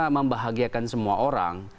membahagiakan semua orang